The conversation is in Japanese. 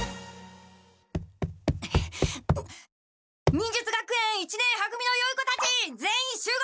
忍術学園一年は組のよい子たち全員集合！